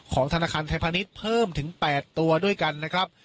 ธนาคารไทยพาณิชย์เพิ่มถึง๘ตัวด้วยกันนะครับ